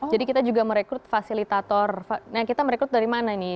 jadi kita juga merekrut fasilitator nah kita merekrut dari mana nih